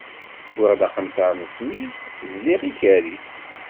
Wwiɣ-d aqenṭar n smid, zliɣ ikerri.